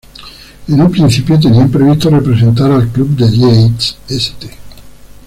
En un principio tenían previsto representar al Club de Yates St.